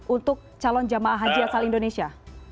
untuk calon jemaah haji asal indonesia